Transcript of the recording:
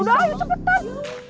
udah ayo cepet